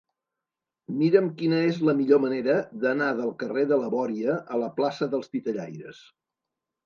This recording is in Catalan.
Mira'm quina és la millor manera d'anar del carrer de la Bòria a la plaça dels Titellaires.